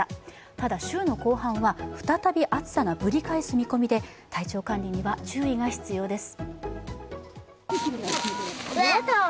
ただ、週の後半は再び暑さがぶり返す見込みで体調管理には注意が必要です。